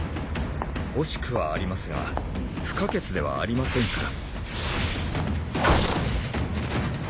惜しくはありますが不可欠ではありませんから。